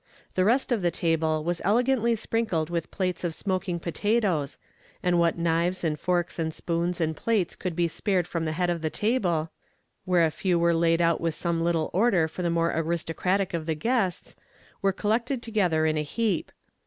The rest of the table was elegantly sprinkled with plates of smoking potatoes; and what knives and forks and spoons and plates could be spared from the head of the table, where a few were laid out with some little order for the more aristocratic of the guests, were collected together in a heap.